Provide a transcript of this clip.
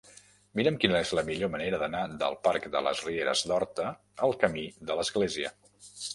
Mira'm quina és la millor manera d'anar del parc de les Rieres d'Horta al camí de l'Església.